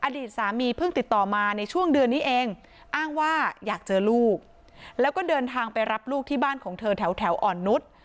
อดีตสามีเพิ่งติดต่อมาในช่วงเดือนนี้เองอ้างว่าอยากเจอลูกแล้วก็เดินทางไปรับลูกที่บ้านของเธอแถวอ่อนนุษย์